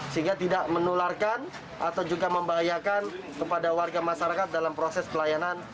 sehingga tidak menularkan atau juga membahayakan kepada warga masyarakat dalam proses pelayanan